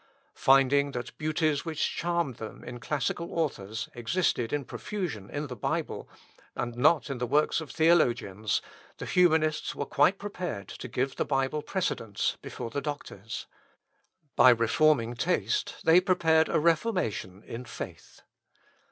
Finding that beauties which charmed them in classical authors existed in profusion in the Bible, and not in the works of theologians, the Humanists were quite prepared to give the Bible precedence before the Doctors. By reforming taste, they prepared a reformation in faith.